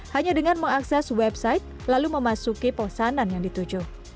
hanya dengan mengakses website lalu memasuki pesanan yang dituju